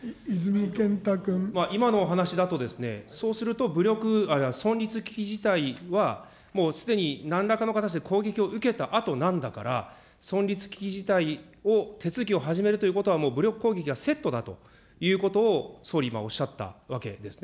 今のお話しだと、そうすると武力、存立危機事態は、もうすでに何らかの形で攻撃を受けたあとなんだから、存立危機事態を、手続きを始めるということは、もう武力攻撃がセットだということを、総理今、おっしゃったわけですね。